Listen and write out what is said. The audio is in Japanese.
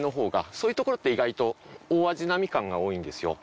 そういうところって意外と大味なみかんが多いんですよ。